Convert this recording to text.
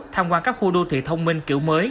tham quan các khu đô thị thông minh kiểu mới